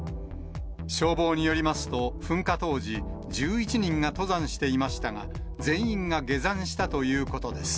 消防によりますと、噴火当時、１１人が登山していましたが、全員が下山したということです。